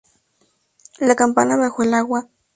La campana bajo el agua.